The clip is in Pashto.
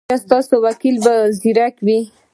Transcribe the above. ایا ستاسو وکیل به زیرک وي؟